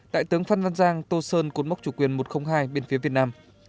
đại tướng phan văn giang tô sơn cột mốc chủ quyền một trăm linh hai bên phía việt nam